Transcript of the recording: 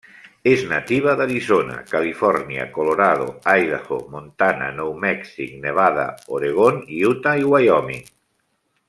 És nativa d'Arizona, Califòrnia, Colorado, Idaho, Montana, Nou Mèxic, Nevada, Oregon, Utah i Wyoming.